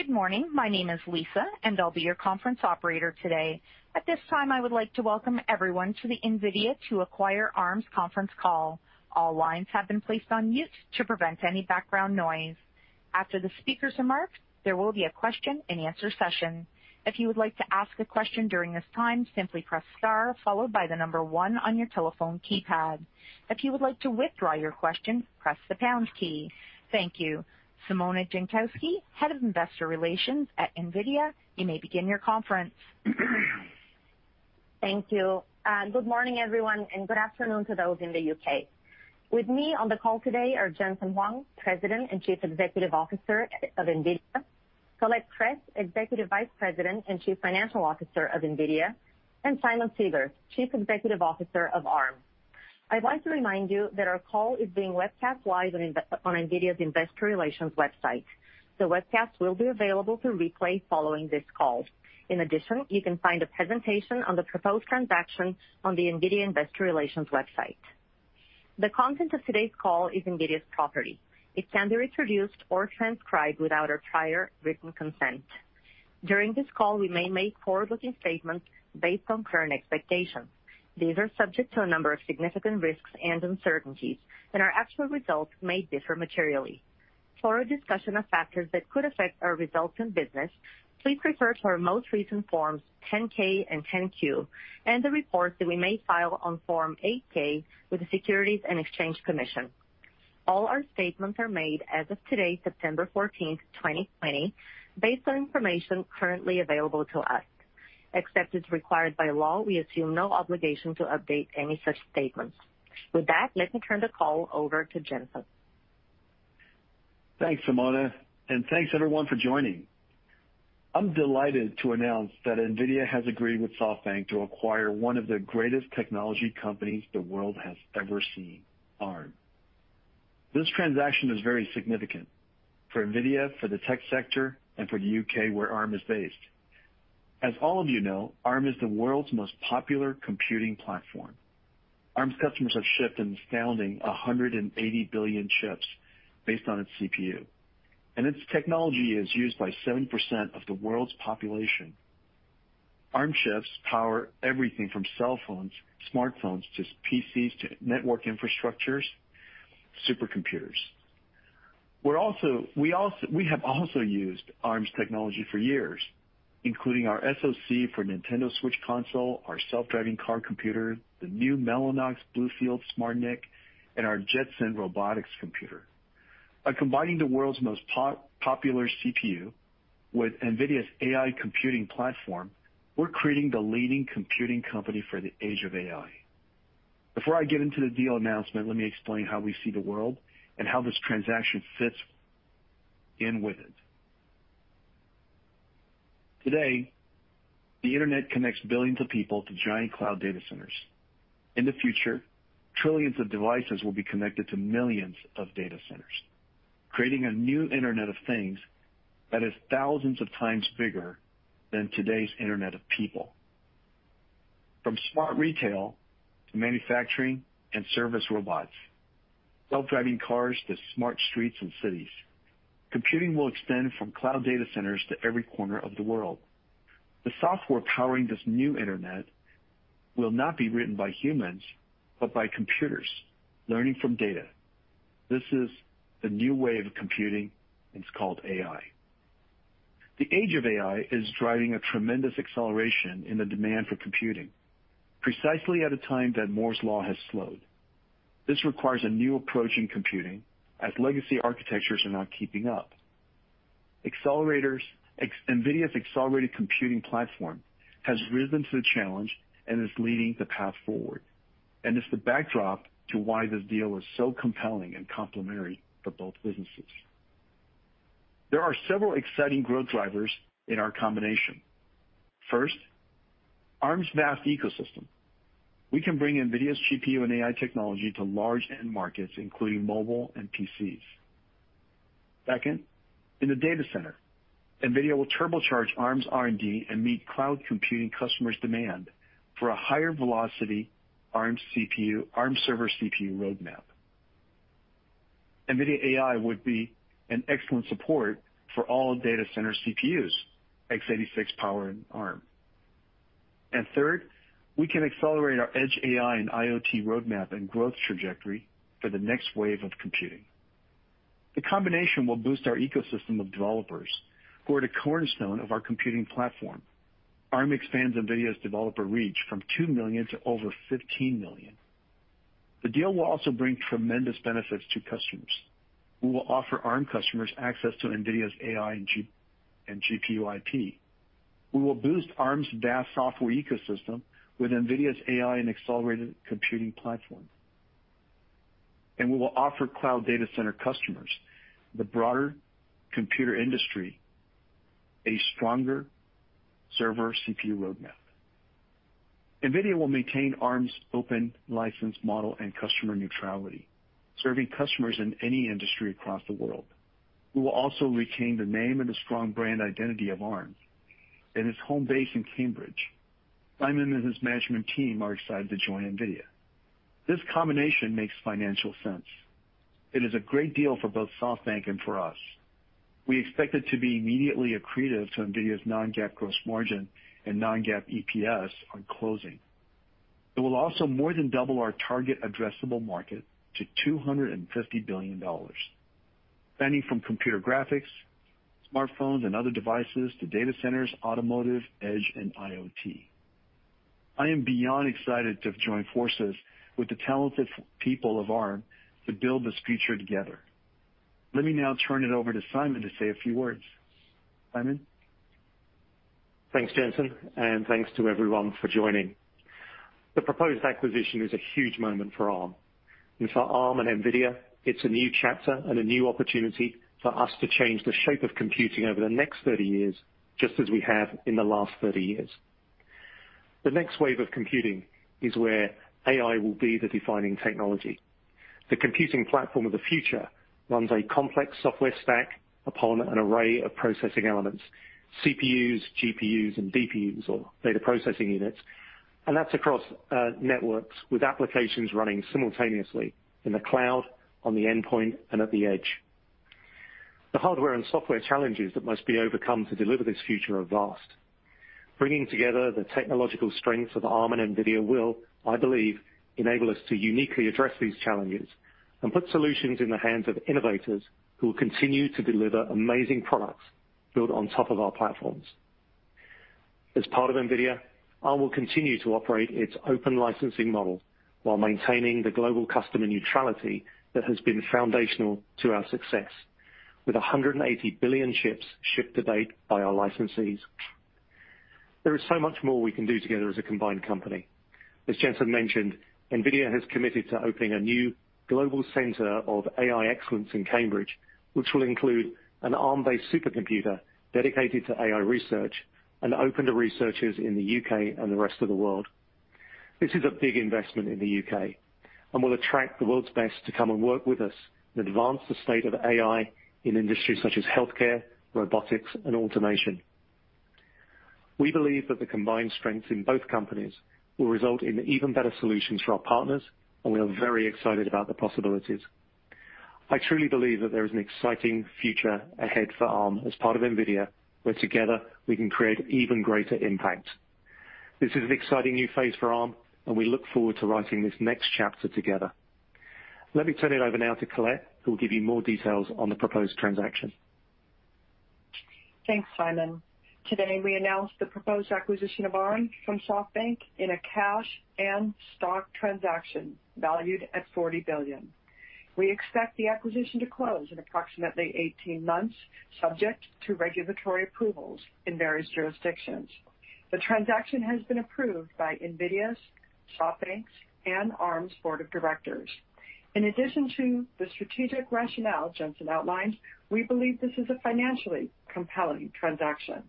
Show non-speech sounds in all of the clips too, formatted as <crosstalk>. Good morning. My name is Lisa, and I'll be your Conference Operator today. At this time, I would like to welcome everyone to the NVIDIA to Acquire Arm Conference Call. All lines have been placed on mute to prevent any background noise. After the speakers remark, there will be a question-and-answer session. If you would like to ask a question during this time, simply press star followed by the number one on your telephone keypad. If you would like to withdraw your question, press the pound key. Thank you. Simona Jankowski, Head of Investor Relations at NVIDIA, you may begin your conference. Thank you. Good morning, everyone, and good afternoon to those in the U.K. With me on the call today are Jensen Huang, President and Chief Executive Officer of NVIDIA, Colette Kress, Executive Vice President and Chief Financial Officer of NVIDIA, and Simon Segars, Chief Executive Officer of Arm. I'd like to remind you that our call is being webcast live on NVIDIA's investor relations website. The webcast will be available to replay following this call. In addition, you can find a presentation on the proposed transaction on the NVIDIA investor relations website. The content of today's call is NVIDIA's property. It can't be reproduced or transcribed without our prior written consent. During this call, we may make forward-looking statements based on current expectations. These are subject to a number of significant risks and uncertainties, and our actual results may differ materially. For a discussion of factors that could affect our results and business, please refer to our most recent Forms 10-K and 10-Q and the reports that we may file on Form 8-K with the Securities and Exchange Commission. All our statements are made as of today, September 14th, 2020, based on information currently available to us. Except as required by law, we assume no obligation to update any such statements. With that, let me turn the call over to Jensen. Thanks, Simona, and thanks everyone for joining. I'm delighted to announce that NVIDIA has agreed with SoftBank to acquire one of the greatest technology companies the world has ever seen, Arm. This transaction is very significant for NVIDIA, for the tech sector, and for the U.K., where Arm is based. As all of you know, Arm is the world's most popular computing platform. Arm's customers have shipped an astounding 180 billion chips based on its CPU, and its technology is used by 7% of the world's population. Arm chips power everything from cell phones, smartphones, to PCs, to network infrastructures, supercomputers. We have also used Arm's technology for years, including our SoC for Nintendo Switch console, our self-driving car computer, the new Mellanox BlueField SmartNIC, and our Jetson robotics computer. By combining the world's most popular CPU with NVIDIA's AI computing platform, we're creating the leading computing company for the age of AI. Before I get into the deal announcement, let me explain how we see the world and how this transaction fits in with it. Today, the internet connects billions of people to giant cloud data centers. In the future, trillions of devices will be connected to millions of data centers, creating a new Internet of Things that is thousands of times bigger than today's internet of people. From smart retail to manufacturing and service robots, self-driving cars to smart streets and cities, computing will extend from cloud data centers to every corner of the world. The software powering this new internet will not be written by humans, but by computers learning from data. This is the new way of computing, and it's called AI. The age of AI is driving a tremendous acceleration in the demand for computing precisely at a time that Moore's law has slowed. This requires a new approach in computing, as legacy architectures are not keeping up. NVIDIA's accelerated computing platform has risen to the challenge and is leading the path forward and is the backdrop to why this deal is so compelling and complementary for both businesses. There are several exciting growth drivers in our combination. First, Arm's vast ecosystem. We can bring NVIDIA's GPU and AI technology to large end markets, including mobile and PCs. Second, in the data center, NVIDIA will turbocharge Arm's R&D and meet cloud computing customers' demand for a higher velocity Arm server CPU roadmap. NVIDIA AI would be an excellent support for all data center CPUs, x86 power in Arm. Third, we can accelerate our edge AI and IoT roadmap and growth trajectory for the next wave of computing. The combination will boost our ecosystem of developers who are the cornerstone of our computing platform. Arm expands NVIDIA's developer reach from 2 million to over 15 million. The deal will also bring tremendous benefits to customers. We will offer Arm customers access to NVIDIA's AI and GPU IP. We will boost Arm's vast software ecosystem with NVIDIA's AI and accelerated computing platform. We will offer cloud data center customers, the broader computer industry, a stronger server CPU roadmap. NVIDIA will maintain Arm's open license model and customer neutrality, serving customers in any industry across the world. We will also retain the name and the strong brand identity of Arm and its home base in Cambridge. Simon and his management team are excited to join NVIDIA. This combination makes financial sense. It is a great deal for both SoftBank and for us. We expect it to be immediately accretive to NVIDIA's non-GAAP gross margin and non-GAAP EPS on closing. It will also more than double our target addressable market to $250 billion, spanning from computer graphics, smartphones, and other devices to data centers, automotive, edge, and IoT. I am beyond excited to have joined forces with the talented people of Arm to build this future together. Let me now turn it over to Simon to say a few words. Simon? Thanks, Jensen, and thanks to everyone for joining. The proposed acquisition is a huge moment for Arm. For Arm and NVIDIA, it's a new chapter and a new opportunity for us to change the shape of computing over the next 30 years, just as we have in the last 30 years. The next wave of computing is where AI will be the defining technology. The computing platform of the future runs a complex software stack upon an array of processing elements, CPUs, GPUs, and DPUs or data processing units. That's across networks with applications running simultaneously in the cloud, on the endpoint, and at the edge. The hardware and software challenges that must be overcome to deliver this future are vast. Bringing together the technological strengths of Arm and NVIDIA will, I believe, enable us to uniquely address these challenges and put solutions in the hands of innovators who will continue to deliver amazing products built on top of our platforms. As part of NVIDIA, Arm will continue to operate its open licensing model while maintaining the global customer neutrality that has been foundational to our success, with 180 billion chips shipped to date by our licensees. There is so much more we can do together as a combined company. As Jensen mentioned, NVIDIA has committed to opening a new global center of AI excellence in Cambridge, which will include an Arm-based supercomputer dedicated to AI research and open to researchers in the U.K. and the rest of the world. This is a big investment in the U.K. and will attract the world's best to come and work with us and advance the state of AI in industries such as healthcare, robotics, and automation. We believe that the combined strengths in both companies will result in even better solutions for our partners, and we are very excited about the possibilities. I truly believe that there is an exciting future ahead for Arm as part of NVIDIA, where together we can create even greater impact. This is an exciting new phase for Arm, and we look forward to writing this next chapter together. Let me turn it over now to Colette, who will give you more details on the proposed transaction. Thanks, Simon. Today, we announced the proposed acquisition of Arm from SoftBank in a cash and stock transaction valued at $40 billion. We expect the acquisition to close in approximately 18 months, subject to regulatory approvals in various jurisdictions. The transaction has been approved by NVIDIA's, SoftBank's, and Arm's board of directors. In addition to the strategic rationale Jensen outlined, we believe this is a financially compelling transaction.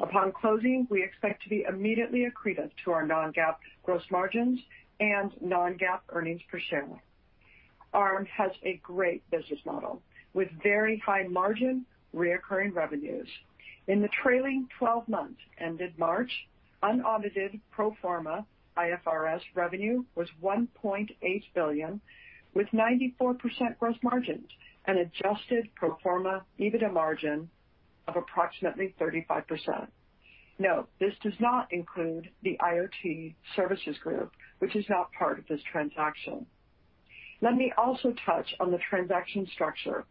Upon closing, we expect to be immediately accretive to our non-GAAP gross margins and non-GAAP earnings per share. Arm has a great business model with very high margin reoccurring revenues. In the trailing 12 months ended March, unaudited pro forma IFRS revenue was $1.8 billion, with 94% gross margins and adjusted pro forma EBITDA margin of approximately 35%. Note, this does not include the IoT Services Group, which is not part of this transaction. Let me also touch on the transaction structure.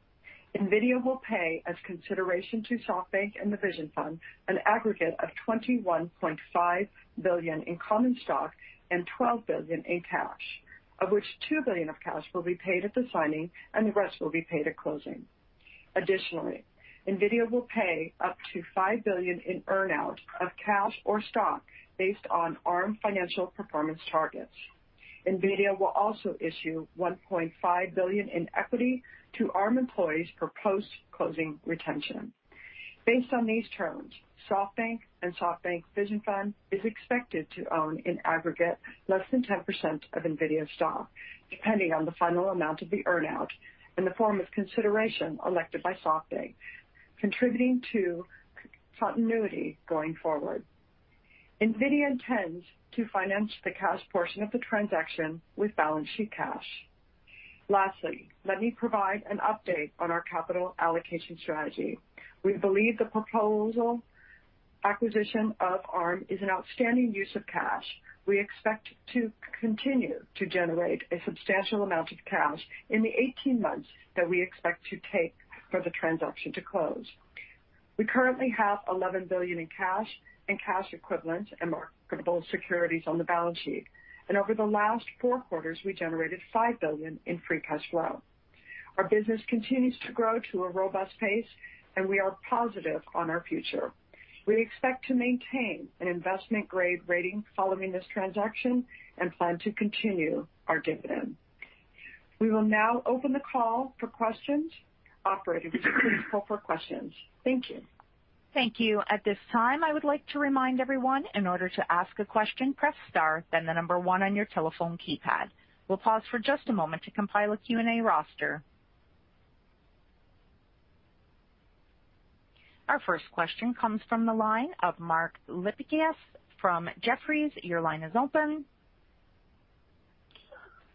NVIDIA will pay as consideration to SoftBank and the Vision Fund an aggregate of $21.5 billion in common stock and $12 billion in cash, of which $2 billion of cash will be paid at the signing and the rest will be paid at closing. Additionally, NVIDIA will pay up to $5 billion in earn-out of cash or stock based on Arm financial performance targets. NVIDIA will also issue $1.5 billion in equity to Arm employees for post-closing retention. Based on these terms, SoftBank and SoftBank Vision Fund is expected to own in aggregate less than 10% of NVIDIA's stock, depending on the final amount of the earn-out in the form of consideration elected by SoftBank, contributing to continuity going forward. NVIDIA intends to finance the cash portion of the transaction with balance sheet cash. Lastly, let me provide an update on our capital allocation strategy. We believe the proposed acquisition of Arm is an outstanding use of cash. We expect to continue to generate a substantial amount of cash in the 18 months that we expect to take for the transaction to close. We currently have $11 billion in cash and cash equivalents and marketable securities on the balance sheet. Over the last four quarters, we generated $5 billion in free cash flow. Our business continues to grow at a robust pace, and we are positive on our future. We expect to maintain an investment-grade rating following this transaction and plan to continue our dividend. We will now open the call for questions. Operator, please call for questions. Thank you. Thank you. At this time, I would like to remind everyone, in order to ask a question, press star, then the number one on your telephone keypad. We'll pause for just a moment to compile a Q&A roster. Our first question comes from the line of Mark Lipacis from Jefferies. Your line is open.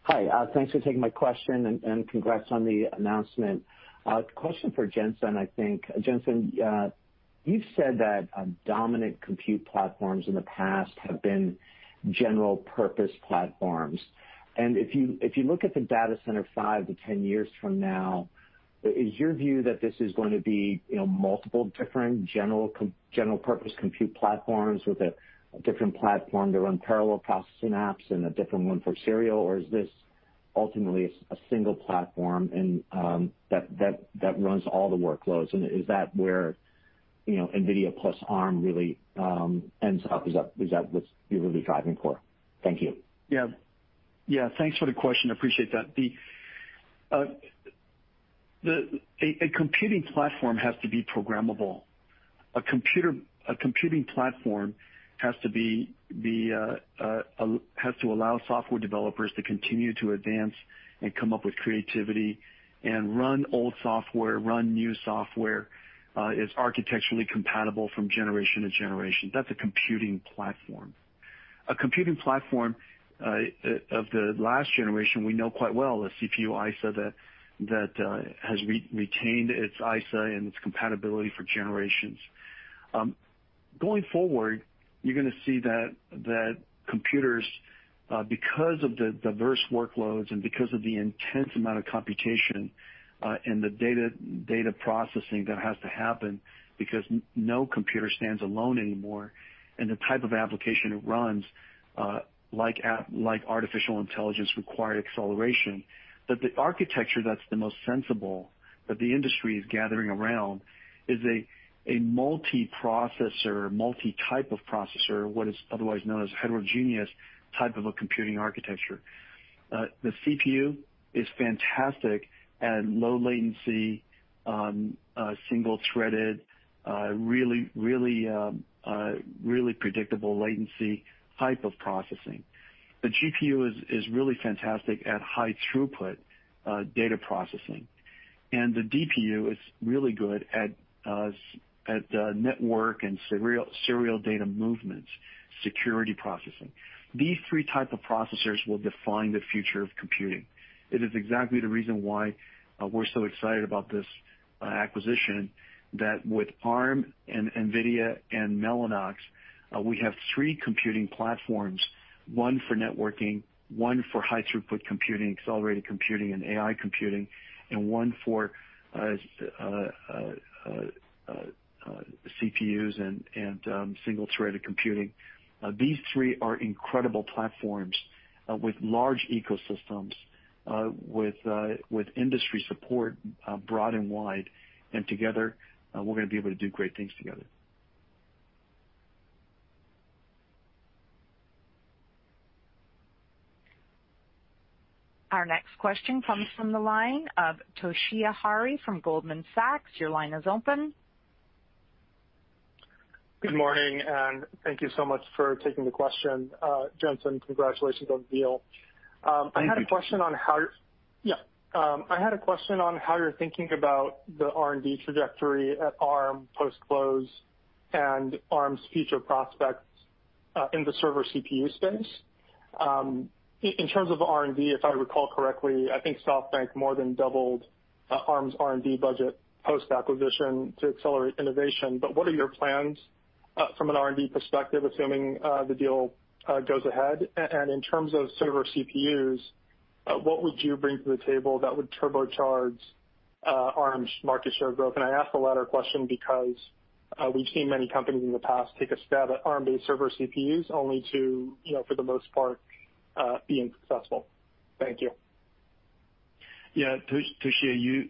Hi. Thanks for taking my question, and congrats on the announcement. A question for Jensen, I think. Jensen, you've said that dominant compute platforms in the past have been general purpose platforms. If you look at the data center 5-10 years from now, is your view that this is going to be multiple different general purpose compute platforms with a different platform to run parallel processing apps and a different one for serial, or is this ultimately a single platform that runs all the workloads? Is that where NVIDIA plus Arm really ends up? Is that what you're really driving for? Thank you. Yeah. Thanks for the question. Appreciate that. A computing platform has to be programmable. A computing platform has to allow software developers to continue to advance and come up with creativity and run old software, run new software, is architecturally compatible from generation to generation. That's a computing platform. A computing platform of the last generation we know quite well, the CPU ISA that has retained its ISA and its compatibility for generations. Going forward, you're going to see that computers, because of the diverse workloads and because of the intense amount of computation, and the data processing that has to happen because no computer stands alone anymore, and the type of application it runs like artificial intelligence require acceleration. That the architecture that's the most sensible, that the industry is gathering around is a multiprocessor, multitype of processor, what is otherwise known as heterogeneous type of a computing architecture. The CPU is fantastic at low latency on a single-threaded, really predictable latency type of processing. The GPU is really fantastic at high throughput data processing. The DPU is really good at network and serial data movements, security processing. These three type of processors will define the future of computing. It is exactly the reason why we're so excited about this acquisition that with Arm and NVIDIA and Mellanox, we have three computing platforms, one for networking, one for high throughput computing, accelerated computing, and AI computing, and one for CPUs and single-threaded computing. These three are incredible platforms with large ecosystems, with industry support broad and wide, and together, we're going to be able to do great things together. Our next question comes from the line of Toshiya Hari from Goldman Sachs. Your line is open. Good morning. Thank you so much for taking the question. Jensen, congratulations on the deal. Thank you. I had a question <crosstalk> on how you're thinking about the R&D trajectory at Arm post-close and Arm's future prospects in the server CPU space. In terms of R&D, if I recall correctly, I think SoftBank more than doubled Arm's R&D budget post-acquisition to accelerate innovation. What are your plans from an R&D perspective, assuming the deal goes ahead? In terms of server CPUs, what would you bring to the table that would turbocharge Arm's market share growth? I ask the latter question because we've seen many companies in the past take a stab at Arm-based server CPUs only to, for the most part, be unsuccessful. Thank you. Yeah. Toshiya,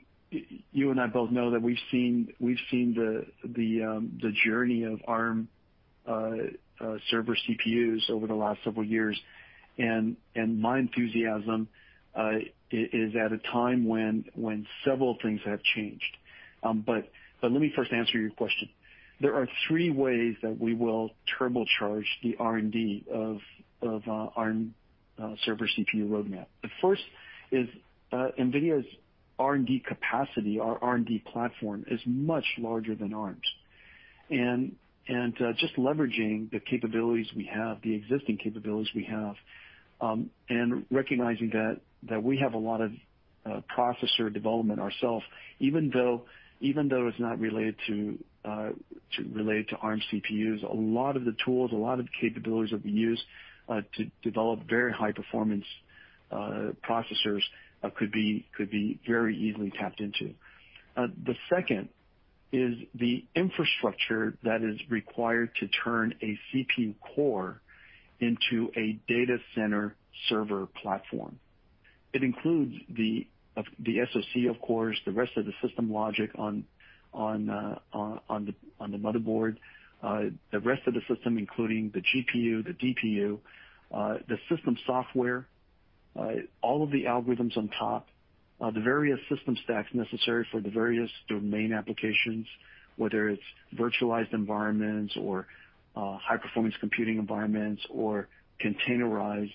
you and I both know that we've seen the journey of Arm server CPUs over the last several years. My enthusiasm is at a time when several things have changed. Let me first answer your question. There are three ways that we will turbocharge the R&D of Arm server CPU roadmap. The first is NVIDIA's R&D capacity. Our R&D platform is much larger than Arm's. Just leveraging the capabilities we have, the existing capabilities we have, and recognizing that we have a lot of processor development ourself, even though it's not related to Arm CPUs. A lot of the tools, a lot of the capabilities that we use to develop very high-performance processors could be very easily tapped into. The second is the infrastructure that is required to turn a CPU core into a data center server platform. It includes the SoC of course, the rest of the system logic on the motherboard, the rest of the system, including the GPU, the DPU, the system software, all of the algorithms on top, the various system stacks necessary for the various domain applications, whether it's virtualized environments or high-performance computing environments or containerized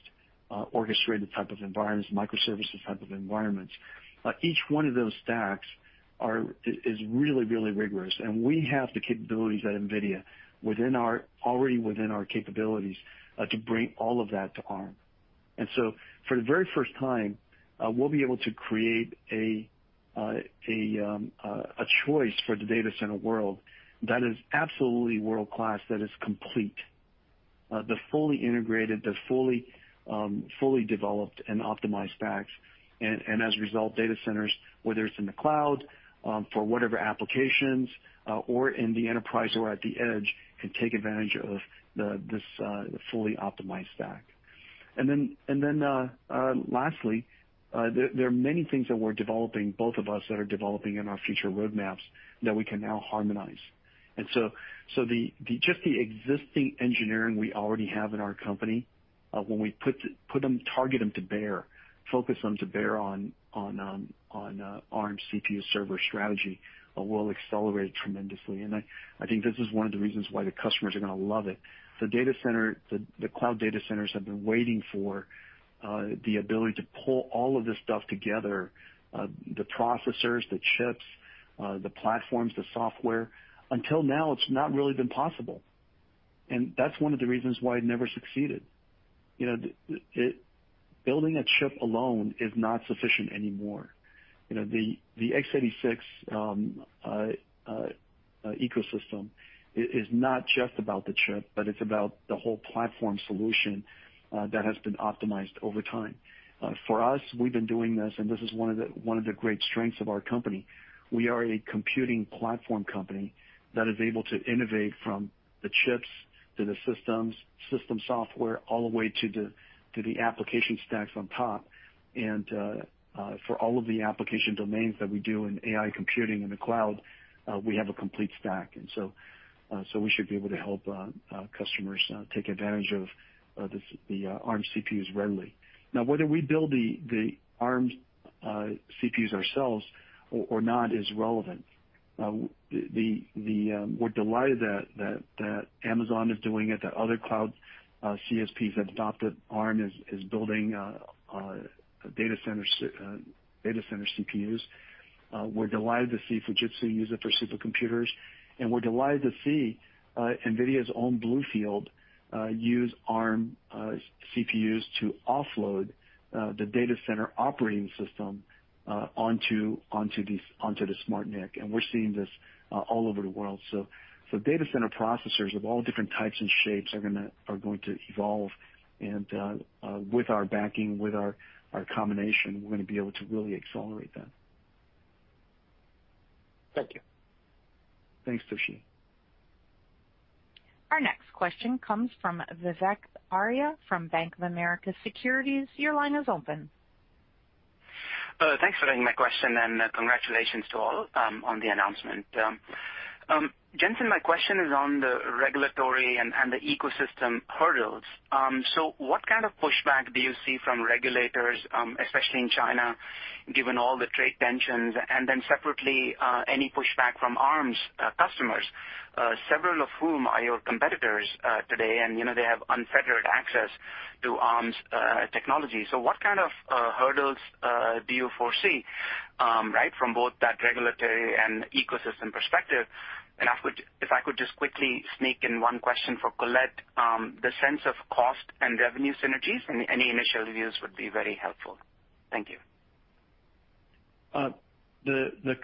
orchestrated type of environments, microservices type of environments. Each one of those stacks is really rigorous. We have the capabilities at NVIDIA, already within our capabilities to bring all of that to Arm. For the very first time, we'll be able to create a choice for the data center world that is absolutely world-class, that is complete, the fully integrated, the fully developed and optimized stacks. As a result, data centers, whether it's in the cloud for whatever applications or in the enterprise or at the edge, can take advantage of this fully optimized stack. Lastly, there are many things that we're developing, both of us that are developing in our future roadmaps that we can now harmonize. So just the existing engineering we already have in our company, when we target them to bear, focus them to bear on Arm CPU server strategy will accelerate tremendously. I think this is one of the reasons why the customers are going to love it. The cloud data centers have been waiting for the ability to pull all of this stuff together, the processors, the chips, the platforms, the software. Until now, it's not really been possible, and that's one of the reasons why it never succeeded. Building a chip alone is not sufficient anymore. The x86 ecosystem is not just about the chip, but it's about the whole platform solution that has been optimized over time. For us, we've been doing this, and this is one of the great strengths of our company. We are a computing platform company that is able to innovate from the chips to the systems, system software, all the way to the application stacks on top. For all of the application domains that we do in AI computing in the cloud, we have a complete stack. We should be able to help customers take advantage of the Arm CPUs readily. Now, whether we build the Arm CPUs ourselves or not is relevant. We're delighted that Amazon is doing it, that other cloud CSPs have adopted Arm is building data center CPUs. We're delighted to see Fujitsu use it for supercomputers, and we're delighted to see NVIDIA's own BlueField use Arm CPUs to offload the data center operating system onto the SmartNIC. We're seeing this all over the world. Data center processors of all different types and shapes are going to evolve and with our backing, with our combination, we're going to be able to really accelerate that. Thank you. Thanks, Toshi. Our next question comes from Vivek Arya from Bank of America Securities. Your line is open. Thanks for taking my question. Congratulations to all on the announcement. Jensen, my question is on the regulatory and the ecosystem hurdles. What kind of pushback do you see from regulators, especially in China, given all the trade tensions? Separately, any pushback from Arm's customers, several of whom are your competitors today, and they have unfettered access to Arm's technology. What kind of hurdles do you foresee from both that regulatory and ecosystem perspective? If I could just quickly sneak in one question for Colette, the sense of cost and revenue synergies and any initial reviews would be very helpful. Thank you. The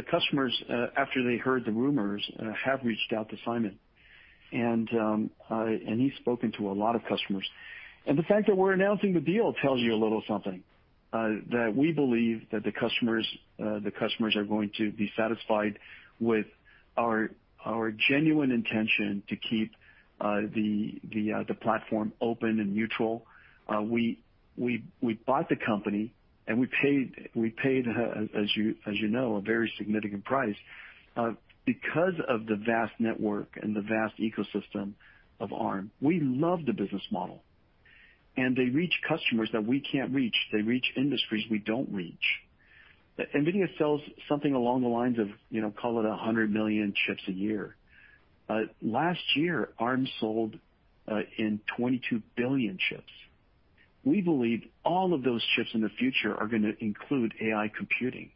customers, after they heard the rumors, have reached out to Simon, and he's spoken to a lot of customers. The fact that we're announcing the deal tells you a little something, that we believe that the customers are going to be satisfied with our genuine intention to keep the platform open and neutral. We bought the company and we paid, as you know, a very significant price because of the vast network and the vast ecosystem of Arm. We love the business model. They reach customers that we can't reach. They reach industries we don't reach. NVIDIA sells something along the lines of call it 100 million chips a year. Last year, Arm sold in 22 billion chips. We believe all of those chips in the future are going to include AI computing.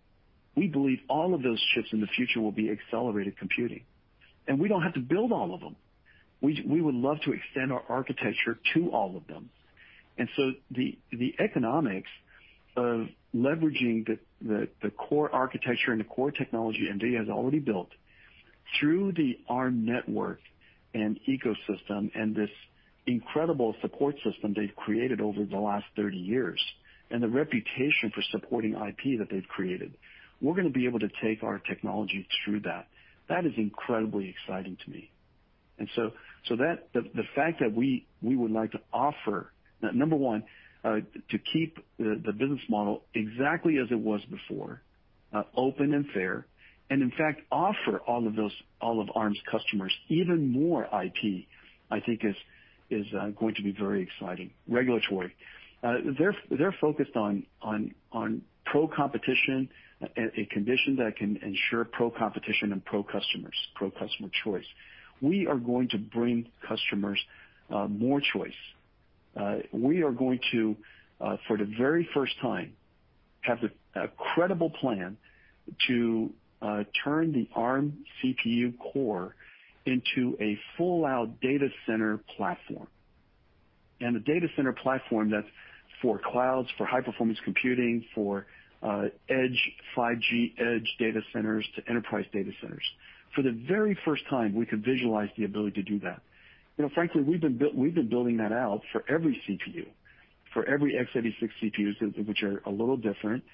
We believe all of those chips in the future will be accelerated computing, and we don't have to build all of them. We would love to extend our architecture to all of them. The economics of leveraging the core architecture and the core technology NVIDIA has already built through the Arm network and ecosystem and this incredible support system they've created over the last 30 years and the reputation for supporting IP that they've created, we're going to be able to take our technology through that. That is incredibly exciting to me. The fact that we would like to offer, number one, to keep the business model exactly as it was before, open and fair, and in fact, offer all of Arm's customers even more IP, I think is going to be very exciting. Regulatory. They're focused on pro-competition and a condition that can ensure pro-competition and pro-customer choice. We are going to bring customers more choice. We are going to for the very first time have a credible plan to turn the Arm CPU core into a full out data center platform. A data center platform that's for clouds, for high-performance computing, for 5G Edge data centers to enterprise data centers. For the very first time, we could visualize the ability to do that. Frankly, we've been building that out for every CPU, for every x86 CPUs, which are a little different,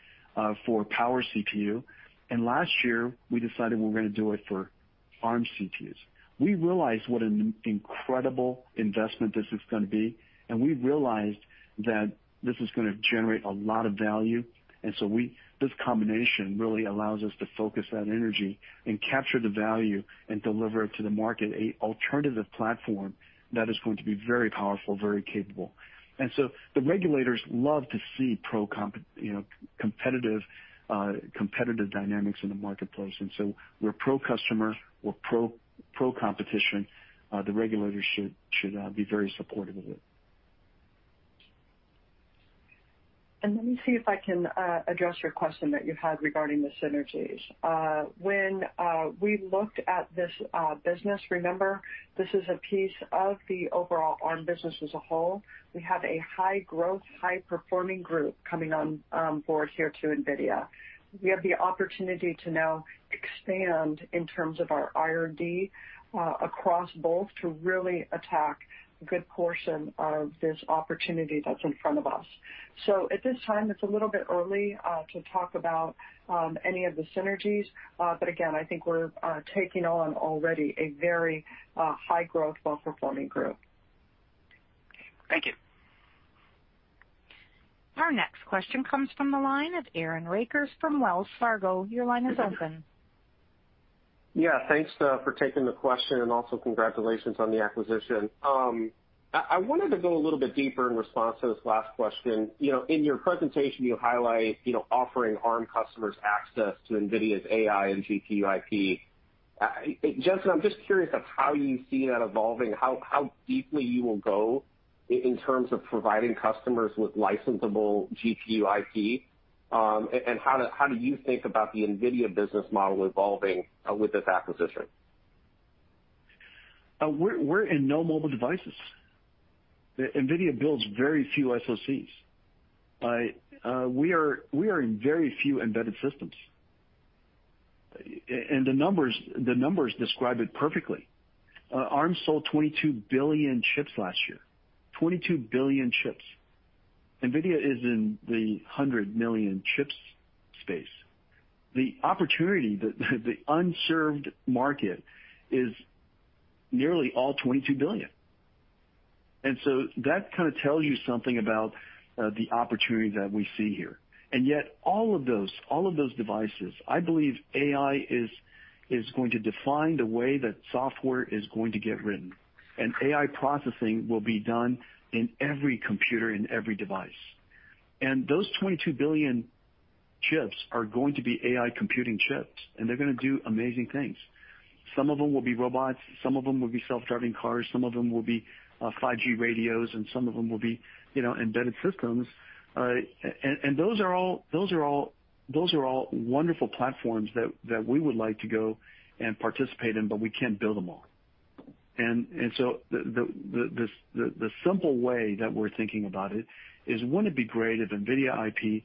for power CPU. Last year, we decided we were going to do it for Arm CPUs. We realized what an incredible investment this is going to be, and we realized that this is going to generate a lot of value. This combination really allows us to focus that energy and capture the value and deliver it to the market, an alternative platform that is going to be very powerful, very capable. The regulators love to see competitive dynamics in the marketplace. We're pro-customer, we're pro-competition. The regulators should be very supportive of it. Let me see if I can address your question that you had regarding the synergies. When we looked at this business, remember, this is a piece of the overall Arm business as a whole. We have a high growth, high performing group coming on board here to NVIDIA. We have the opportunity to now expand in terms of our R&D across both to really attack a good portion of this opportunity that's in front of us. At this time, it's a little bit early to talk about any of the synergies. Again, I think we're taking on already a very high growth, well-performing group. Thank you. Our next question comes from the line of Aaron Rakers from Wells Fargo. Your line is open. Yeah. Thanks for taking the question and also congratulations on the acquisition. I wanted to go a little bit deeper in response to this last question. In your presentation, you highlight offering Arm customers access to NVIDIA's AI and GPU IP. Jensen, I'm just curious of how you see that evolving, how deeply you will go in terms of providing customers with licensable GPU IP. How do you think about the NVIDIA business model evolving with this acquisition? We're in no mobile devices. NVIDIA builds very few SoCs. We are in very few embedded systems. The numbers describe it perfectly. Arm sold 22 billion chips last year. 22 billion chips. NVIDIA is in the 100 million chips space. The opportunity that the unserved market is nearly all 22 billion. That tells you something about the opportunity that we see here. Yet all of those devices, I believe AI is going to define the way that software is going to get written. AI processing will be done in every computer, in every device. Those 22 billion chips are going to be AI computing chips, and they're going to do amazing things. Some of them will be robots, some of them will be self-driving cars, some of them will be 5G radios, and some of them will be embedded systems. Those are all wonderful platforms that we would like to go and participate in, but we can't build them all. The simple way that we're thinking about it is, wouldn't it be great if NVIDIA IP,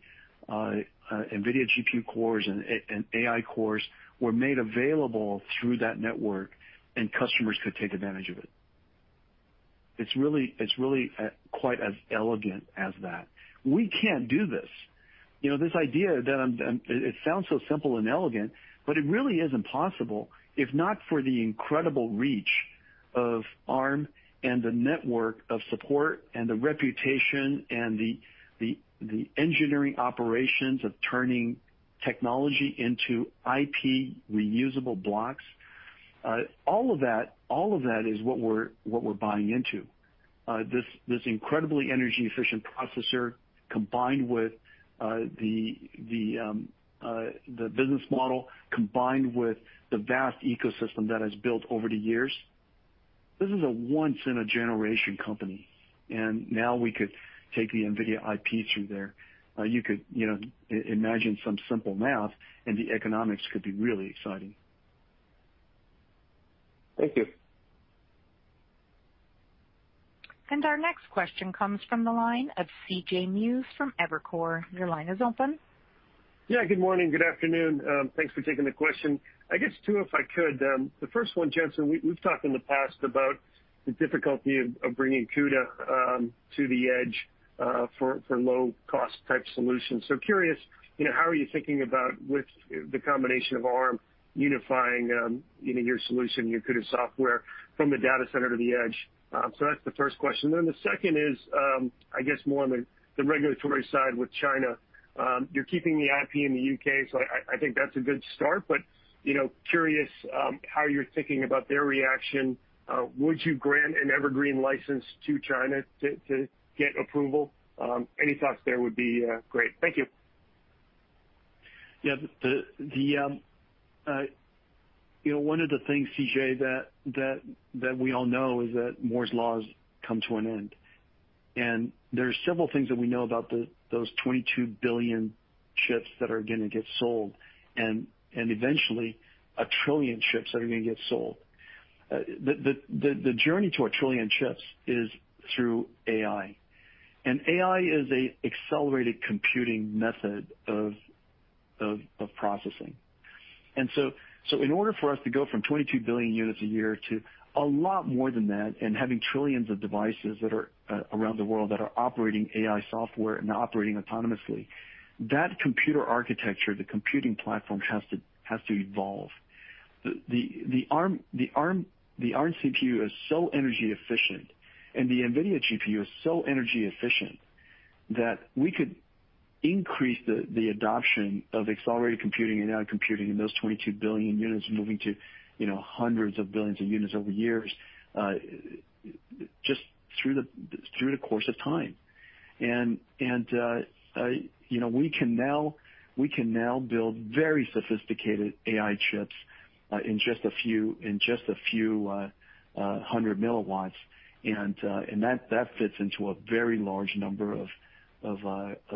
NVIDIA GPU cores and AI cores were made available through that network and customers could take advantage of it? It's really quite as elegant as that. We can't do this. This idea that it sounds so simple and elegant, but it really is impossible, if not for the incredible reach of Arm and the network of support and the reputation and the engineering operations of turning technology into IP reusable blocks. All of that is what we're buying into. This incredibly energy efficient processor combined with the business model, combined with the vast ecosystem that has built over the years. This is a once in a generation company. Now we could take the NVIDIA IP through there. You could imagine some simple math and the economics could be really exciting. Thank you. Our next question comes from the line of C.J. Muse from Evercore. Your line is open. Yeah. Good morning, good afternoon. Thanks for taking the question. I guess two, if I could. The first one, Jensen, we've talked in the past about the difficulty of bringing CUDA to the edge for low cost type solutions. Curious, how are you thinking about with the combination of Arm unifying your solution, your CUDA software from the data center to the edge? That's the first question. The second is, I guess more on the regulatory side with China. You're keeping the IP in the U.K., I think that's a good start. Curious how you're thinking about their reaction. Would you grant an evergreen license to China to get approval? Any thoughts there would be great. Thank you. Yeah. One of the things, C.J., that we all know is that Moore's law's come to an end, and there are several things that we know about those 22 billion chips that are going to get sold, and eventually a trillion chips that are going to get sold. The journey to a trillion chips is through AI, and AI is an accelerated computing method of processing. In order for us to go from 22 billion units a year to a lot more than that, and having trillions of devices that are around the world that are operating AI software and operating autonomously, that computer architecture, the computing platform, has to evolve. The Arm CPU is so energy efficient, and the NVIDIA GPU is so energy efficient that we could increase the adoption of accelerated computing and AI computing in those 22 billion units moving to hundreds of billions of units over years, just through the course of time. We can now build very sophisticated AI chips in just a few hundred milliwatts and that fits into a very large number of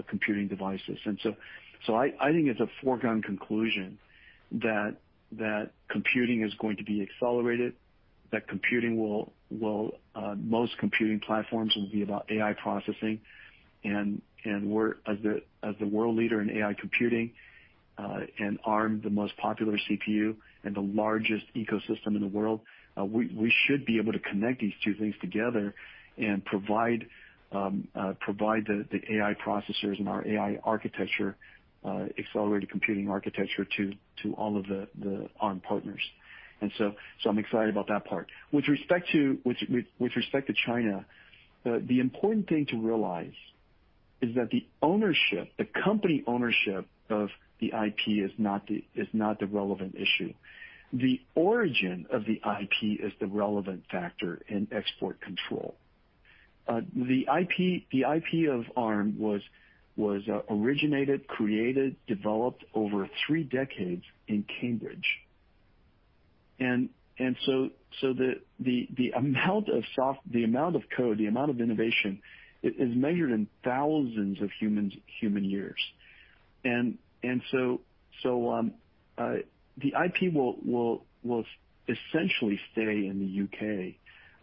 computing devices. I think it's a foregone conclusion that computing is going to be accelerated, that most computing platforms will be about AI processing, and as the world leader in AI computing and Arm, the most popular CPU and the largest ecosystem in the world, we should be able to connect these two things together and provide the AI processors and our AI architecture, accelerated computing architecture to all of the Arm partners. I'm excited about that part. With respect to China, the important thing to realize is that the company ownership of the IP is not the relevant issue. The origin of the IP is the relevant factor in export control. The IP of Arm was originated, created, developed over three decades in Cambridge. The amount of code, the amount of innovation is measured in thousands of human years. The IP will essentially stay in the U.K.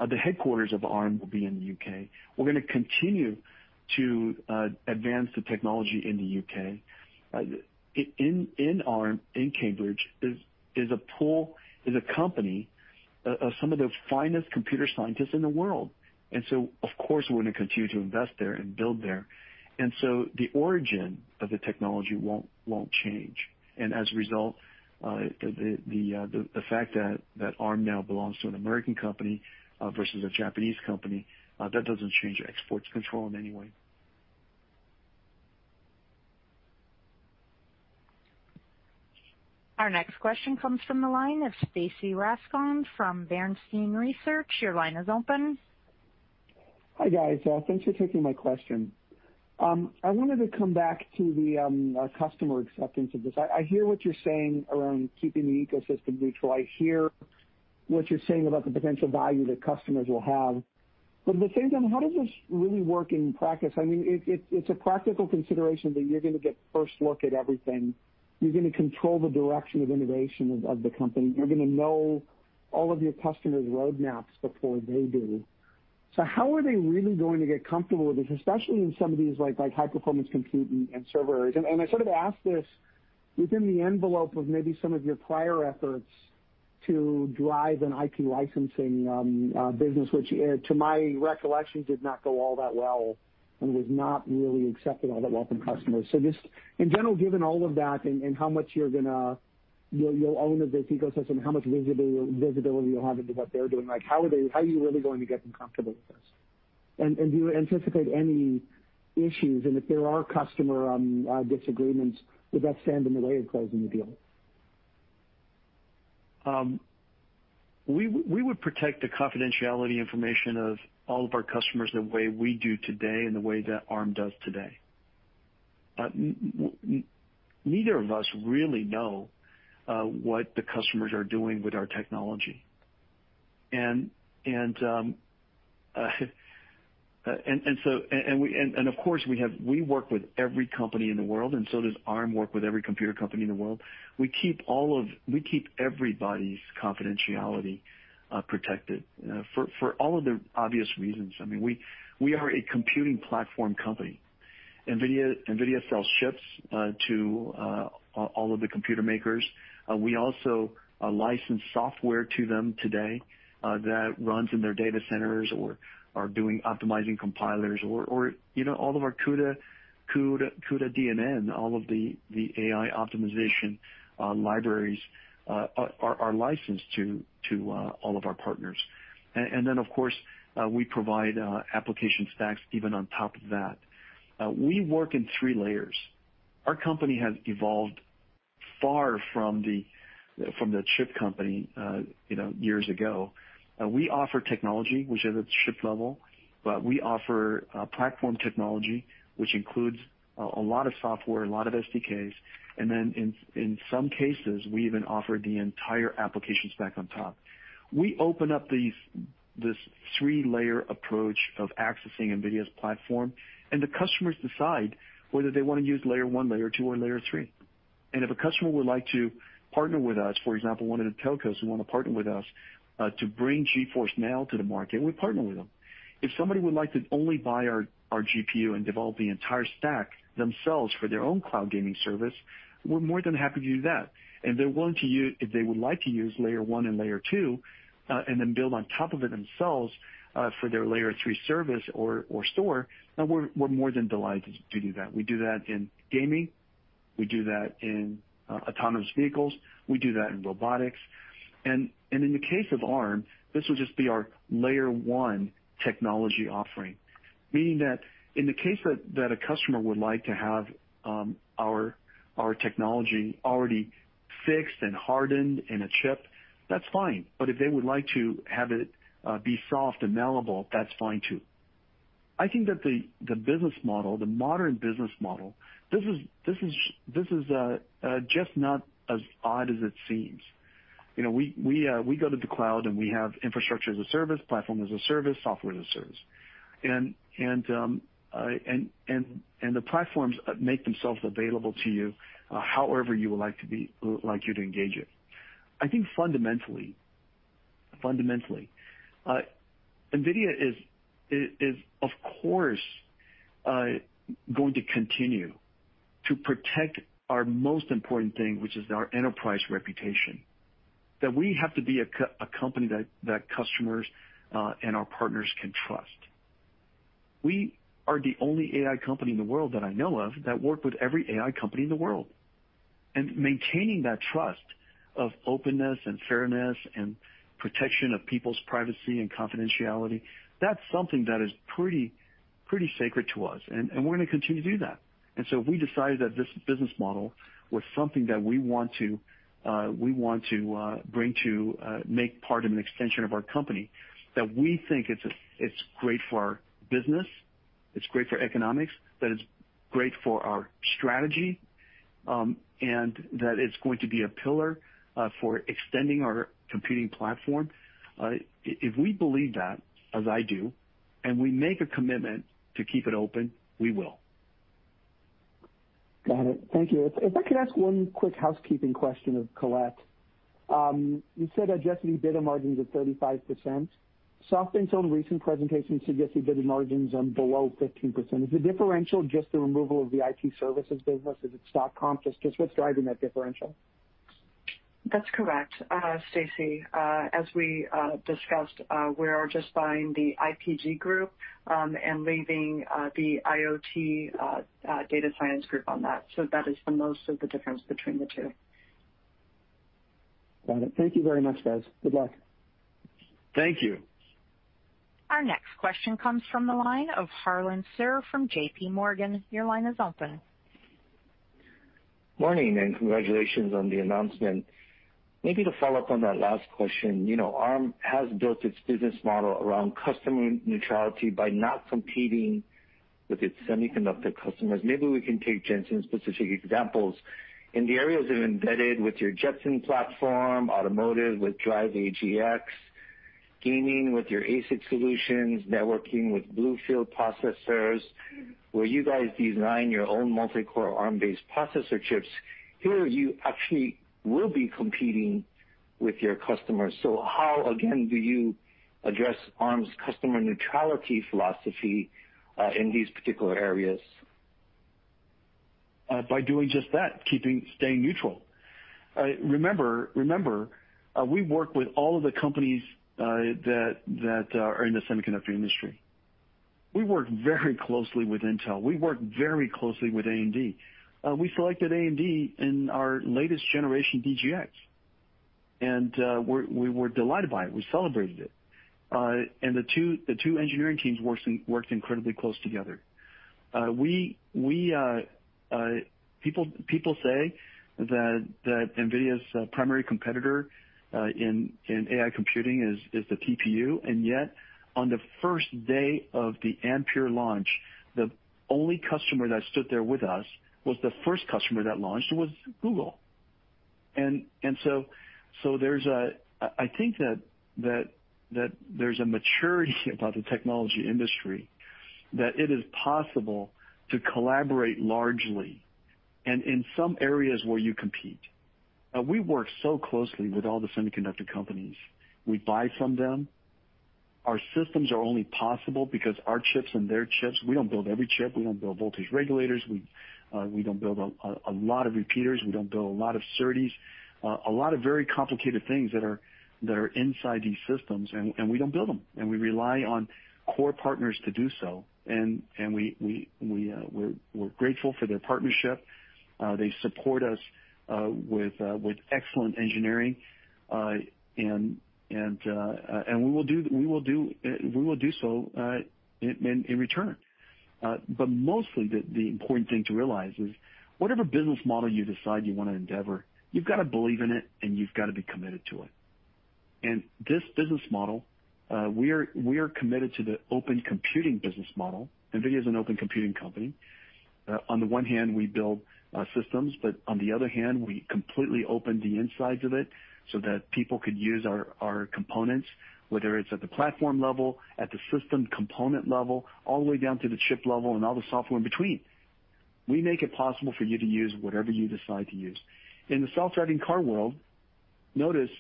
The headquarters of Arm will be in the U.K. We're going to continue to advance the technology in the U.K. In Arm, in Cambridge, is a pool, is a company of some of the finest computer scientists in the world. Of course, we're going to continue to invest there and build there. The origin of the technology won't change. As a result, the fact that Arm now belongs to an American company versus a Japanese company, that doesn't change exports control in any way. Our next question comes from the line of Stacy Rasgon from Bernstein Research. Your line is open. Hi, guys. Thanks for taking my question. I wanted to come back to our customer acceptance of this. I hear what you're saying around keeping the ecosystem neutral. I hear what you're saying about the potential value that customers will have. At the same time, how does this really work in practice? I mean, it's a practical consideration that you're going to get first look at everything. You're going to control the direction of innovation of the company. You're going to know all of your customers' roadmaps before they do. How are they really going to get comfortable with this, especially in some of these high-performance compute and server areas? I sort of ask this within the envelope of maybe some of your prior efforts to drive an IP licensing business, which, to my recollection, did not go all that well and was not really accepted all that well from customers. Just in general, given all of that and how much you'll own of this ecosystem, how much visibility you'll have into what they're doing, how are you really going to get them comfortable with this? Do you anticipate any issues? If there are customer disagreements, would that stand in the way of closing the deal? We would protect the confidentiality information of all of our customers the way we do today and the way that Arm does today. Neither of us really know what the customers are doing with our technology. Of course, we work with every company in the world, and so does Arm work with every computer company in the world. We keep everybody's confidentiality protected for all of the obvious reasons. I mean, we are a computing platform company. NVIDIA sells chips to all of the computer makers. We also license software to them today that runs in their data centers or are doing optimizing compilers or all of our CUDA, cuDNN, all of the AI optimization libraries are licensed to all of our partners. Of course, we provide application stacks even on top of that. We work in three layers. Our company has evolved far from the chip company years ago. We offer technology, which is at chip level, but we offer platform technology, which includes a lot of software, a lot of SDKs, and then in some cases, we even offer the entire application stack on top. We open up this three-layer approach of accessing NVIDIA's platform, and the customers decide whether they want to use layer one, layer two, or layer three. If a customer would like to partner with us, for example, one of the telcos who want to partner with us to bring GeForce NOW to the market, we partner with them. If somebody would like to only buy our GPU and develop the entire stack themselves for their own cloud gaming service, we're more than happy to do that. If they would like to use layer one and layer two, and then build on top of it themselves, for their layer three service or store, then we're more than delighted to do that. We do that in gaming. We do that in autonomous vehicles. We do that in robotics. In the case of Arm, this will just be our layer 1 technology offering. Meaning that in the case that a customer would like to have our technology already fixed and hardened in a chip, that's fine. If they would like to have it be soft and malleable, that's fine too. I think that the business model, the modern business model, this is just not as odd as it seems. We go to the cloud, we have infrastructure as a service, platform as a service, software as a service. The platforms make themselves available to you however you would like you to engage it. I think fundamentally, NVIDIA is, of course, going to continue to protect our most important thing, which is our enterprise reputation. That we have to be a company that customers and our partners can trust. We are the only AI company in the world that I know of that work with every AI company in the world. Maintaining that trust of openness and fairness and protection of people's privacy and confidentiality, that's something that is pretty sacred to us. We're going to continue to do that. If we decide that this business model was something that we want to make part of an extension of our company, that we think it's great for our business, it's great for economics, that it's great for our strategy, and that it's going to be a pillar for extending our computing platform. If we believe that, as I do, and we make a commitment to keep it open, we will. Got it. Thank you. If I could ask one quick housekeeping question of Colette. You said adjusted EBITDA margins of 35%. SoftBank's own recent presentation suggested EBITDA margins below 15%. Is the differential just the removal of the IT services business? Is it stock comp? Just what's driving that differential? That's correct, Stacy. As we discussed, we are just buying the IP group, and leaving the IoT Services Group on that. That is the most of the difference between the two. Got it. Thank you very much, guys. Good luck. Thank you. Our next question comes from the line of Harlan Sur from JPMorgan. Your line is open. Morning, and congratulations on the announcement. To follow up on that last question. Arm has built its business model around customer neutrality by not competing with its semiconductor customers. We can take, Jensen, specific examples. In the areas of embedded with your Jetson platform, automotive with Drive AGX, gaming with your ASIC solutions, networking with BlueField processors, where you guys design your own multi-core Arm-based processor chips. Here, you actually will be competing with your customers. How, again, do you address Arm's customer neutrality philosophy in these particular areas? By doing just that, staying neutral. Remember, we work with all of the companies that are in the semiconductor industry. We work very closely with Intel. We work very closely with AMD. We selected AMD in our latest generation DGX. We were delighted by it. We celebrated it. The two engineering teams worked incredibly close together. People say that NVIDIA's primary competitor in AI computing is the TPU. Yet, on the first day of the Ampere launch, the only customer that stood there with us was the first customer that launched was Google. I think that there's a maturity about the technology industry that it is possible to collaborate largely and in some areas where you compete. We work so closely with all the semiconductor companies. We buy from them. Our systems are only possible because our chips and their chips, we don't build every chip. We don't build voltage regulators. We don't build a lot of repeaters. We don't build a lot of SerDes. A lot of very complicated things that are inside these systems, and we don't build them. We rely on core partners to do so. We're grateful for their partnership. They support us with excellent engineering. We will do so in return. Mostly, the important thing to realize is whatever business model you decide you want to endeavor, you've got to believe in it, and you've got to be committed to it. This business model, we are committed to the open computing business model. NVIDIA is an open computing company. On the one hand, we build systems, but on the other hand, we completely open the insides of it so that people could use our components, whether it's at the platform level, at the system component level, all the way down to the chip level and all the software in between. We make it possible for you to use whatever you decide to use. In the self-driving car world, notice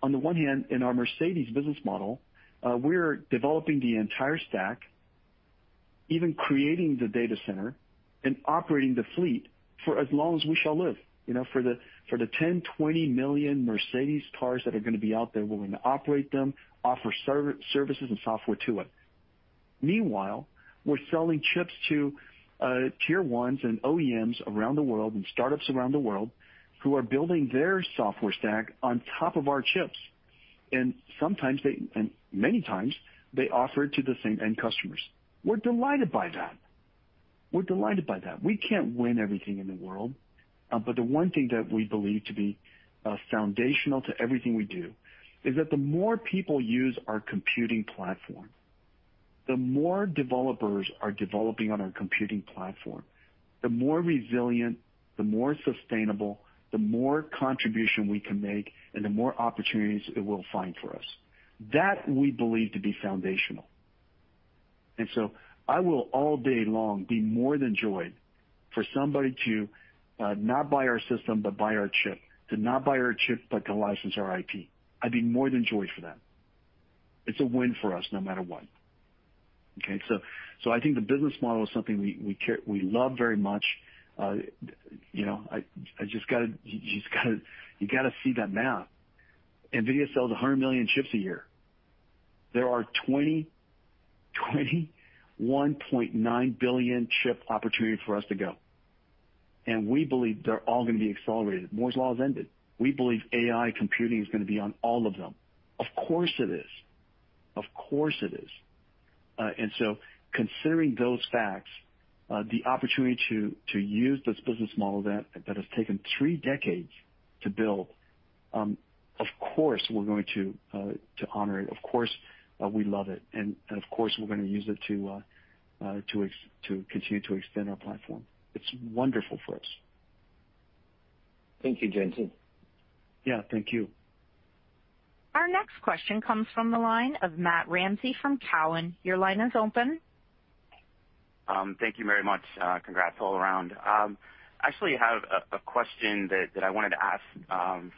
on the one hand, in our Mercedes business model, we're developing the entire stack, even creating the data center and operating the fleet for as long as we shall live. For the 10 million, 20 million Mercedes cars that are going to be out there, we're going to operate them, offer services and software to it. Meanwhile, we're selling chips to tier ones and OEMs around the world and startups around the world who are building their software stack on top of our chips. Many times, they offer it to the same end customers. We're delighted by that. We can't win everything in the world. The one thing that we believe to be foundational to everything we do is that the more people use our computing platform, the more developers are developing on our computing platform, the more resilient, the more sustainable, the more contribution we can make, and the more opportunities it will find for us. That we believe to be foundational. I will all day long be more than joyed for somebody to not buy our system, but buy our chip. To not buy our chip, but to license our IP. I'd be more than joyed for that. It's a win for us no matter what. I think the business model is something we love very much. You got to see that math. NVIDIA sells 100 million chips a year. There are 21.9 billion chip opportunity for us to go. We believe they're all going to be accelerated. Moore's law has ended. We believe AI computing is going to be on all of them. Of course, it is. Considering those facts, the opportunity to use this business model that has taken three decades to build, of course, we're going to honor it. Of course, we love it. Of course, we're going to use it to continue to extend our platform. It's wonderful for us. Thank you, Jensen. Yeah. Thank you. Our next question comes from the line of Matt Ramsay from Cowen. Your line is open. Thank you very much. Congrats all around. Actually have a question that I wanted to ask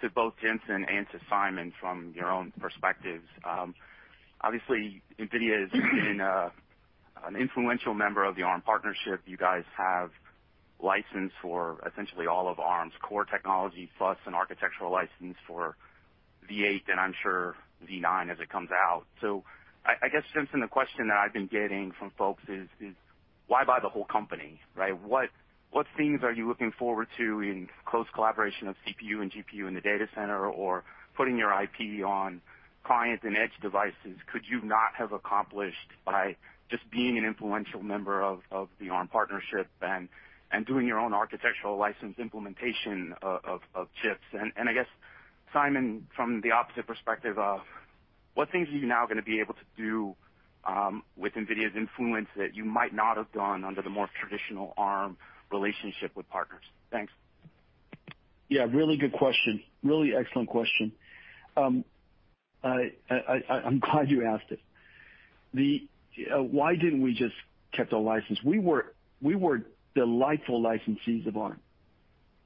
to both Jensen and to Simon from your own perspectives. Obviously, NVIDIA has been an influential member of the Arm partnership. You guys have license for essentially all of Arm's core technology plus an architectural license for V8, and I'm sure V9 as it comes out. I guess, Jensen, the question that I've been getting from folks is why buy the whole company, right? What things are you looking forward to in close collaboration of CPU and GPU in the data center or putting your IP on client and edge devices could you not have accomplished by just being an influential member of the Arm partnership and doing your own architectural license implementation of chips? I guess, Simon, from the opposite perspective of what things are you now going to be able to do with NVIDIA's influence that you might not have done under the more traditional Arm relationship with partners? Thanks. Yeah, really good question. Really excellent question. I'm glad you asked it. Why didn't we just kept a license? We were delightful licensees of Arm.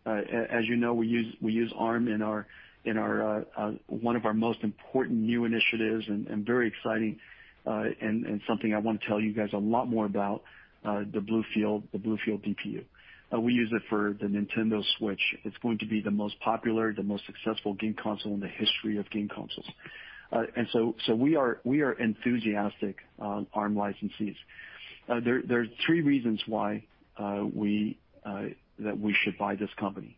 As you know, we use Arm in one of our most important new initiatives and very exciting, and something I want to tell you guys a lot more about, the BlueField DPU. We use it for the Nintendo Switch. It's going to be the most popular, the most successful game console in the history of game consoles. We are enthusiastic Arm licensees. There are three reasons why that we should buy this company,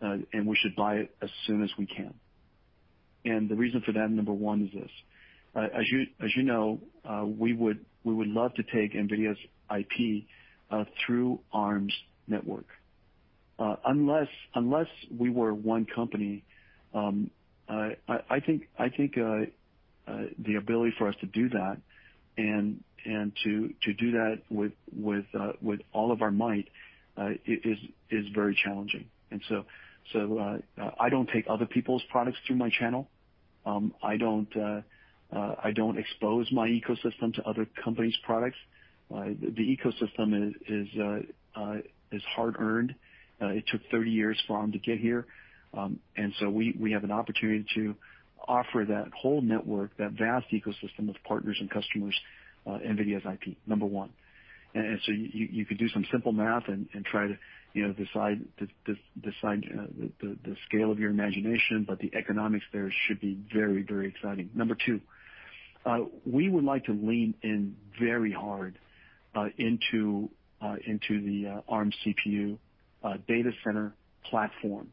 and we should buy it as soon as we can. The reason for that, number one, is this. As you know, we would love to take NVIDIA's IP through Arm's network. Unless we were one company, I think the ability for us to do that and to do that with all of our might, is very challenging. I don't take other people's products through my channel. I don't expose my ecosystem to other companies' products. The ecosystem is hard-earned. It took 30 years for them to get here. We have an opportunity to offer that whole network, that vast ecosystem of partners and customers, NVIDIA's IP, number one. You could do some simple math and try to decide the scale of your imagination, but the economics there should be very exciting. Number two, we would like to lean in very hard into the Arm CPU data center platform.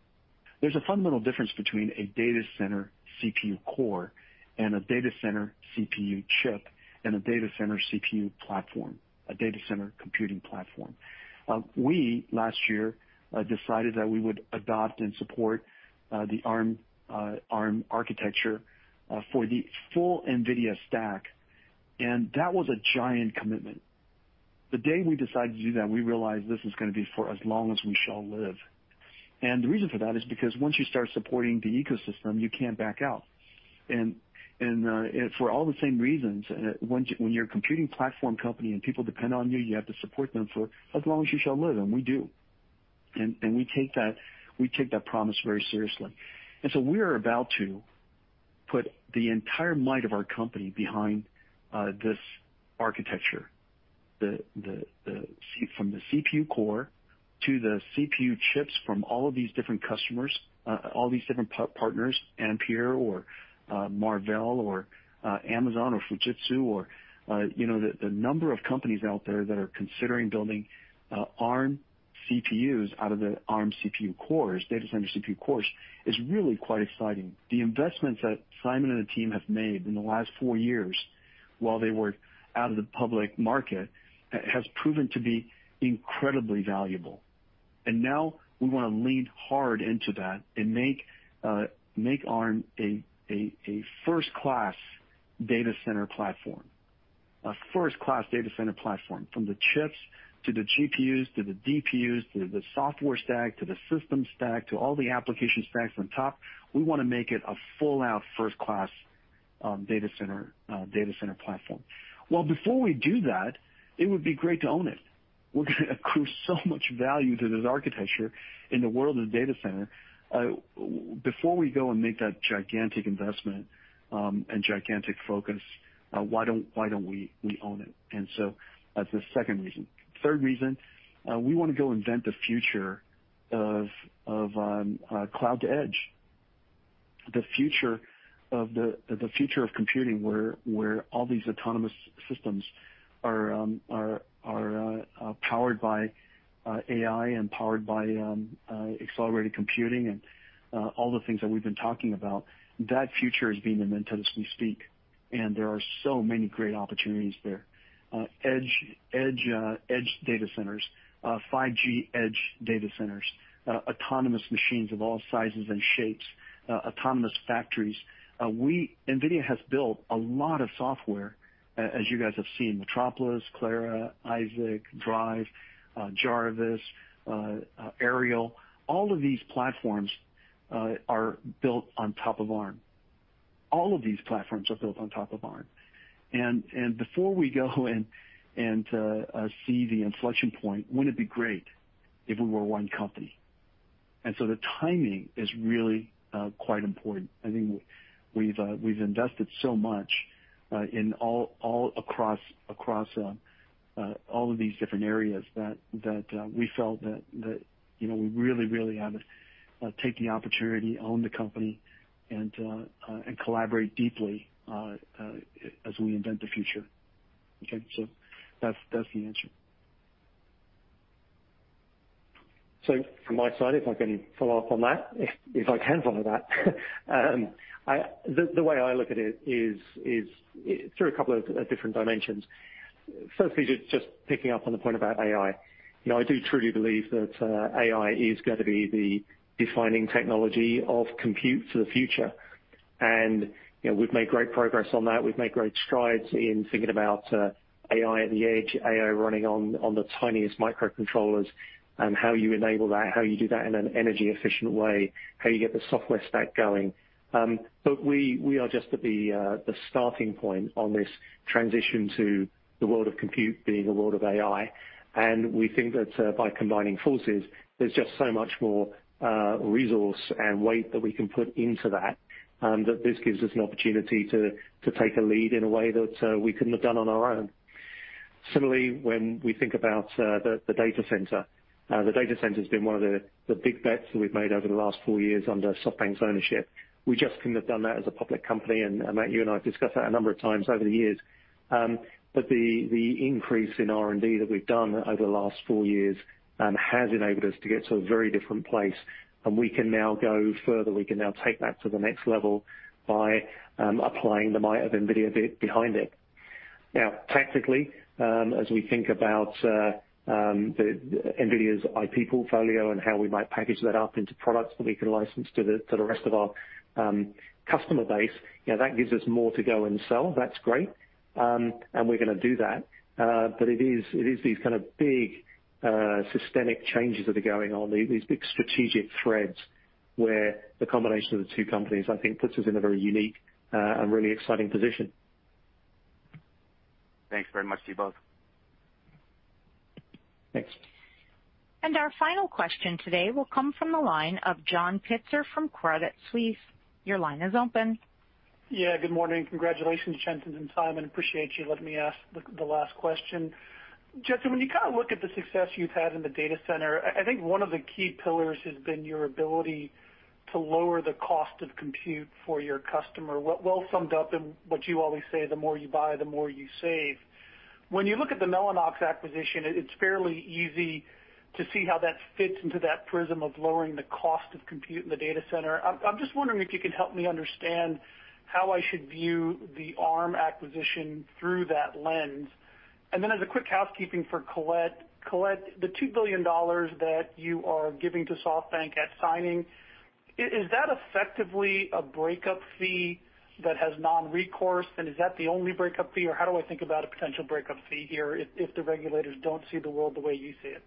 There's a fundamental difference between a data center CPU core and a data center CPU chip and a data center CPU platform, a data center computing platform. We, last year, decided that we would adopt and support the Arm architecture for the full NVIDIA stack. That was a giant commitment. The day we decided to do that, we realized this is going to be for as long as we shall live. The reason for that is because once you start supporting the ecosystem, you can't back out. For all the same reasons, when you're a computing platform company and people depend on you have to support them for as long as you shall live, and we do. We take that promise very seriously. We are about to put the entire might of our company behind this architecture. From the CPU core to the CPU chips from all of these different customers, all these different partners, Ampere or Marvell or Amazon or Fujitsu or the number of companies out there that are considering building Arm CPUs out of the Arm CPU cores, data center CPU cores, is really quite exciting. The investments that Simon and the team have made in the last four years while they were out of the public market has proven to be incredibly valuable. Now we want to lean hard into that and make Arm a first-class data center platform. A first-class data center platform, from the chips to the GPUs, to the DPUs, to the software stack, to the system stack, to all the application stacks on top. We want to make it a full-out first-class data center platform. Before we do that, it would be great to own it. We're going to accrue so much value to this architecture in the world of the data center. Before we go and make that gigantic investment, and gigantic focus, why don't we own it? That's the second reason. Third reason, we want to go invent the future of cloud to edge. The future of computing where all these autonomous systems are powered by AI and powered by accelerated computing and all the things that we've been talking about. That future is being invented as we speak, and there are so many great opportunities there. Edge data centers, 5G edge data centers, autonomous machines of all sizes and shapes, autonomous factories. NVIDIA has built a lot of software, as you guys have seen, Metropolis, Clara, Isaac, Drive, Jarvis, Aerial. All of these platforms are built on top of Arm. All of these platforms are built on top of Arm. Before we go and see the inflection point, wouldn't it be great if we were one company? The timing is really quite important. I think we've invested so much across all of these different areas that we felt that we really have to take the opportunity, own the company and collaborate deeply as we invent the future. Okay, that's the answer. From my side, if I can follow up on that. The way I look at it is through a couple of different dimensions. Firstly, just picking up on the point about AI. I do truly believe that AI is going to be the defining technology of compute for the future, and we've made great progress on that. We've made great strides in thinking about AI at the edge, AI running on the tiniest microcontrollers and how you enable that, how you do that in an energy-efficient way, how you get the software stack going. We are just at the starting point on this transition to the world of compute being a world of AI. We think that by combining forces, there's just so much more resource and weight that we can put into that this gives us an opportunity to take a lead in a way that we couldn't have done on our own. Similarly, when we think about the data center. The data center's been one of the big bets that we've made over the last four years under SoftBank's ownership. We just couldn't have done that as a public company, and Matt, you and I have discussed that a number of times over the years. The increase in R&D that we've done over the last four years has enabled us to get to a very different place, and we can now go further. We can now take that to the next level by applying the might of NVIDIA behind it. Tactically, as we think about NVIDIA's IP portfolio and how we might package that up into products that we can license to the rest of our customer base, that gives us more to go and sell. That's great. We're going to do that. It is these kind of big systemic changes that are going on, these big strategic threads, where the combination of the two companies, I think, puts us in a very unique and really exciting position. Thanks very much to you both. Thanks. Our final question today will come from the line of John Pitzer from Credit Suisse. Your line is open. Yeah, good morning. Congratulations, Jensen and Simon. Appreciate you letting me ask the last question. Jensen, when you look at the success you've had in the data center, I think one of the key pillars has been your ability to lower the cost of compute for your customer. Well summed up in what you always say, the more you buy, the more you save. When you look at the Mellanox acquisition, it's fairly easy to see how that fits into that prism of lowering the cost of compute in the data center. I'm just wondering if you can help me understand how I should view the Arm acquisition through that lens. As a quick housekeeping for Colette. Colette, the $2 billion that you are giving to SoftBank at signing, is that effectively a breakup fee that has non-recourse? Is that the only breakup fee, or how do I think about a potential breakup fee here if the regulators don't see the world the way you see it?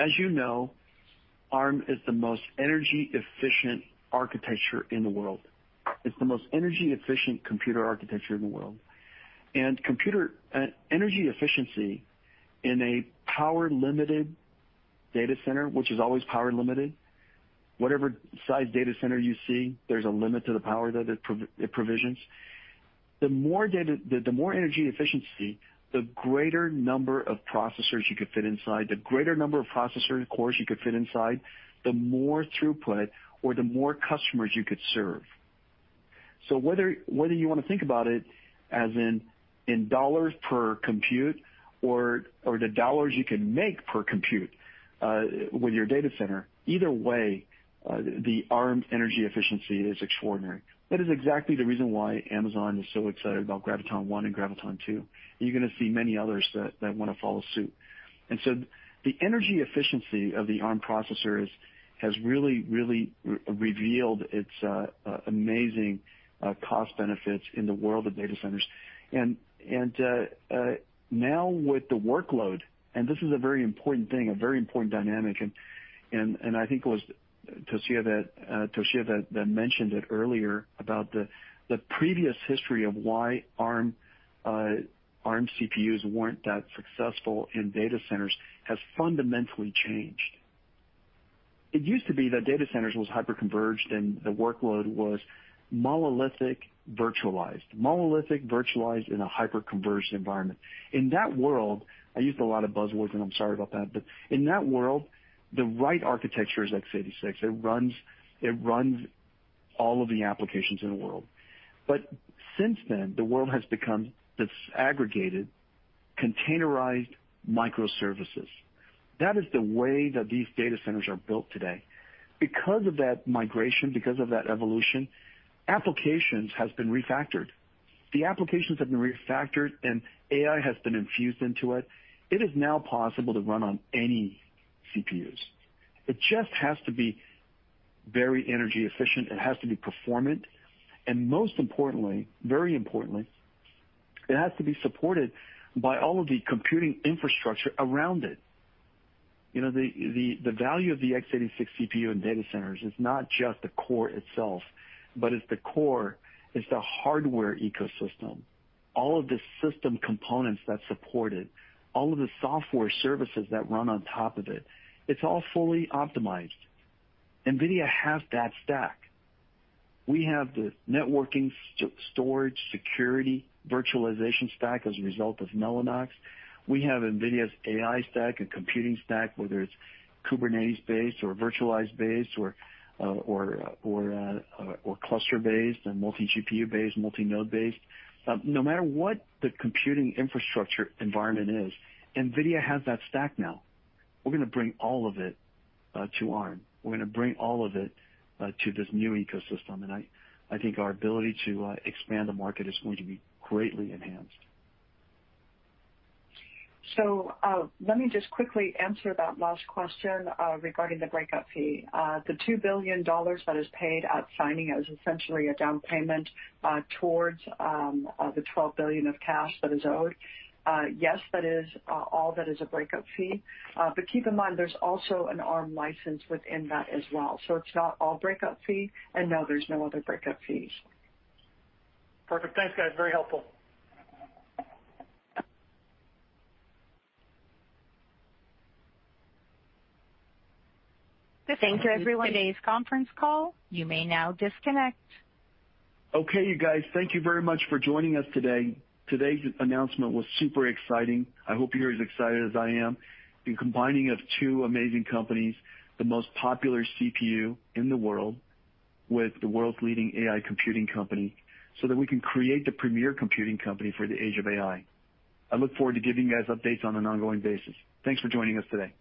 As you know, Arm is the most energy-efficient architecture in the world. It's the most energy-efficient computer architecture in the world. Energy efficiency in a power-limited data center, which is always power-limited. Whatever size data center you see, there's a limit to the power that it provisions. The more energy efficiency, the greater number of processors you could fit inside, the greater number of processor cores you could fit inside, the more throughput or the more customers you could serve. Whether you want to think about it as in dollars per compute or the dollars you can make per compute with your data center, either way, the Arm energy efficiency is extraordinary. That is exactly the reason why Amazon is so excited about Graviton and Graviton2. You're going to see many others that want to follow suit. The energy efficiency of the Arm processor has really revealed its amazing cost benefits in the world of data centers. Now with the workload, and this is a very important thing, a very important dynamic, and I think it was Toshiya that mentioned it earlier about the previous history of why Arm CPUs weren't that successful in data centers has fundamentally changed. It used to be that data centers was hyperconverged and the workload was monolithic virtualized. Monolithic virtualized in a hyperconverged environment. In that world, I used a lot of buzzwords, and I'm sorry about that, but in that world, the right architecture is x86. It runs all of the applications in the world. Since then, the world has become disaggregated, containerized microservices. That is the way that these data centers are built today. Because of that migration, because of that evolution, applications have been refactored. The applications have been refactored. AI has been infused into it. It is now possible to run on any CPUs. It just has to be very energy efficient. It has to be performant. Most importantly, very importantly, it has to be supported by all of the computing infrastructure around it. The value of the x86 CPU in data centers is not just the core itself. It's the core, it's the hardware ecosystem, all of the system components that support it, all of the software services that run on top of it. It's all fully optimized. NVIDIA has that stack. We have the networking, storage, security, virtualization stack as a result of Mellanox. We have NVIDIA's AI stack and computing stack, whether it's Kubernetes-based or virtualized-based or cluster-based and multi-GPU-based, multi-node-based. No matter what the computing infrastructure environment is, NVIDIA has that stack now. We're going to bring all of it to Arm. We're going to bring all of it to this new ecosystem. I think our ability to expand the market is going to be greatly enhanced. Let me just quickly answer that last question regarding the breakup fee. The $2 billion that is paid at signing is essentially a down payment towards the $12 billion of cash that is owed. Yes, that is all, that is a breakup fee. Keep in mind, there's also an Arm license within that as well. It's not all breakup fee, and no, there's no other breakup fees. Perfect. Thanks, guys. Very helpful. Thank you, everyone <crosstalk> for joining today's conference call you may now disconnect. Okay, you guys, thank you very much for joining us today. Today's announcement was super exciting. I hope you're as excited as I am. The combining of two amazing companies, the most popular CPU in the world with the world's leading AI computing company, so that we can create the premier computing company for the age of AI. I look forward to giving you guys updates on an ongoing basis. Thanks for joining us today.